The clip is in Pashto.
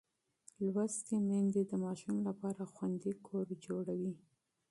لوستې میندې د ماشوم لپاره خوندي کور جوړوي.